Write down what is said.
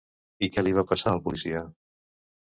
I què li va passar al policia?